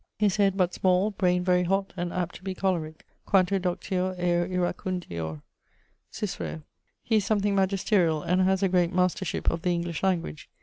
His head but small, braine very hott, and apt to be cholerique Quanto doctior, eo iracundior. CICERO. He is something magisteriall, and haz a great mastership of the English language.